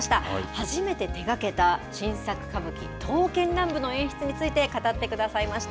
初めて手がけた新作歌舞伎、刀剣乱舞の演出について語ってくださいました。